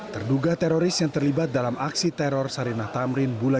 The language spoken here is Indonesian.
terduga teroris yang terlibat dalam penyelidikan tersebut